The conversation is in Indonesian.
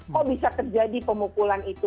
kok bisa terjadi pemukulan itu